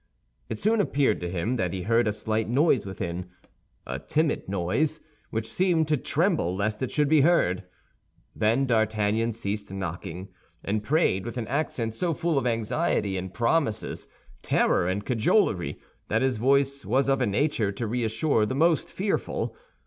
It soon appeared to him that he heard a slight noise within—a timid noise which seemed to tremble lest it should be heard. Then D'Artagnan ceased knocking, and prayed with an accent so full of anxiety and promises, terror and cajolery, that his voice was of a nature to reassure the most fearful.